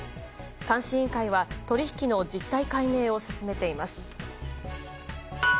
監視委員会は取引の実態解明を進めています。